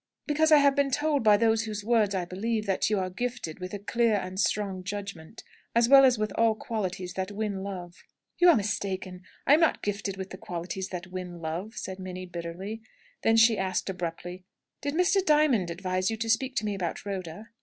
"Because I have been told by those whose words I believe, that you are gifted with a clear and strong judgment, as well as with all qualities that win love." "You are mistaken. I am not gifted with the qualities that win love," said Minnie, bitterly. Then she asked, abruptly, "Did Mr. Diamond advise you to speak to me about Rhoda?"